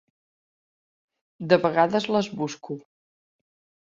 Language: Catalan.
De vegades les busco.